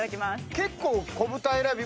結構。